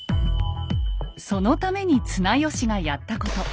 そのために綱吉がやったこと。